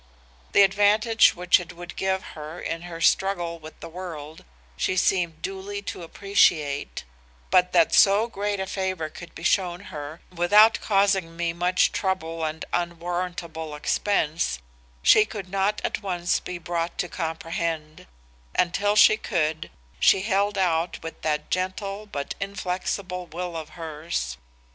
The advantage which it would give her in her struggle with the world she seemed duly to appreciate, but that so great a favor could be shown her without causing me much trouble and an unwarrantable expense, she could not at once be brought to comprehend, and till she could, she held out with that gentle but inflexible will of hers.